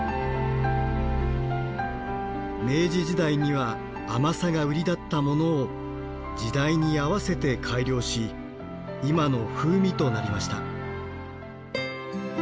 明治時代には甘さが売りだったものを時代に合わせて改良し今の風味となりました。